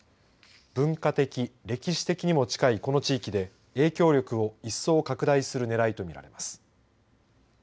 文化的歴史的にも近いこの地域で影響力を一層拡大するねらいと見られます。